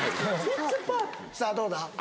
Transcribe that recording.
さあどうだ？